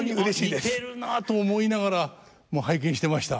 「あっ似てるな」と思いながらもう拝見してました。